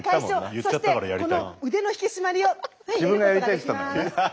そしてこの腕の引き締まりを。